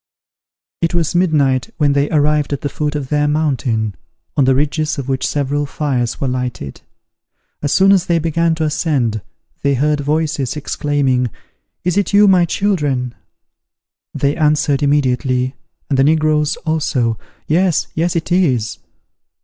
It was midnight when they arrived at the foot of their mountain, on the ridges of which several fires were lighted. As soon as they began to ascend, they heard voices exclaiming "Is it you, my children?" They answered immediately, and the negroes also, "Yes, yes, it is."